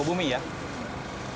untuk memperkuat stabilitas fondasinya